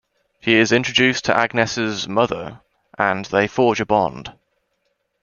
He is introduced to Agnes's mother, and they forge a bond.